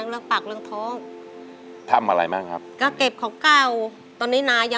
แล้วสภาพร่างกาย